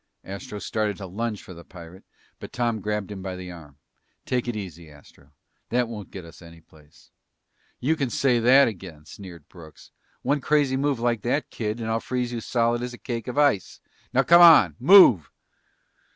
Astro started to lunge for the pirate, but Tom grabbed him by the arm. "Take it easy, Astro. That won't get us any place." "You can say that again," sneered Brooks. "One crazy move like that, kid, and I'll freeze you solid as a cake of ice! Now come on! Move!"